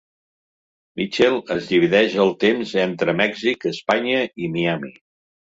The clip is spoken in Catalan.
Michel es divideix el temps entre Mèxic, Espanya i Miami.